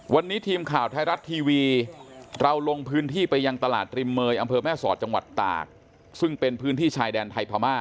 วันนี้ทีมข่าวไทยรัฐทีวีเราลงพื้นที่ไปยังตลาดริมเมย์อำเภอแม่สอดจังหวัดตากซึ่งเป็นพื้นที่ชายแดนไทยพม่า